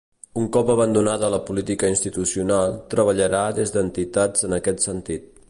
Un cop abandonada la política institucional, treballarà des d’entitats en aquest sentit.